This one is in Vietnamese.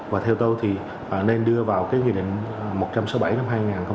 và theo tôi thì nên đưa vào cái nghị định một trăm sáu mươi bảy năm hai nghìn một mươi chín